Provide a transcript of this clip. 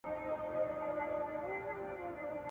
زه په دې اړه یو ګټور مضمون لیکم.